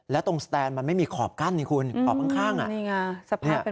แล้วตรงสแตนมันไม่มีขอบกั้นนี่คุณขอบข้างอ่ะนี่ไง